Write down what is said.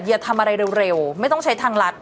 อย่าทำอะไรเร็วไม่ต้องใช้ทางรัฐ